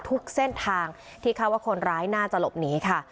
ทุกเส้นทางที่คาดว่าคนร้ายน่าจะหลบหนีค่ะ